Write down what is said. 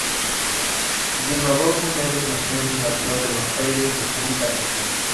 Lino Adolfo Neves nació en la ciudad de Buenos Aires, República Argentina.